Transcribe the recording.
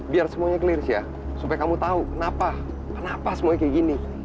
biar semuanya clear sih ya supaya kamu tahu kenapa kenapa semuanya kayak gini